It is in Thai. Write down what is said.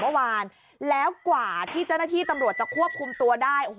แล้วต่างจากที่เจ้าหน้าที่คุดควบคุมตัวได้